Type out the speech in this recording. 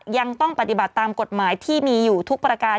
ยังต้องปฏิบัติตามกฎหมายที่มีอยู่ทุกประการ